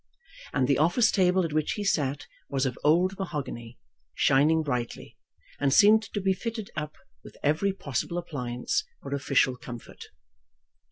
And the office table at which he sat was of old mahogany, shining brightly, and seemed to be fitted up with every possible appliance for official comfort.